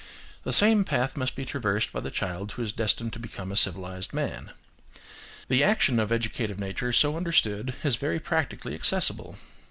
The same path must be traversed by the child who is destined to become a civilised man. The action of educative nature so understood is very practically accessible.